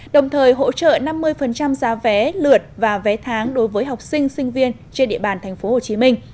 đồng thời hỗ trợ năm mươi giá vé lượt và vé tháng đối với học sinh sinh viên trên địa bàn tp hcm